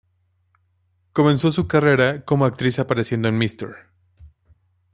Comenzó su carrera como actriz apareciendo en "Mr.